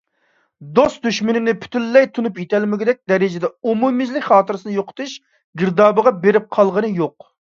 دوست - دۈشمىنىنى پۈتۈنلەي تونۇپ يېتەلمىگۈدەك دەرىجىدە ئومۇميۈزلۈك خاتىرىسىنى يوقىتىش گىردابىغا بېرىپ قالغىنى يوق.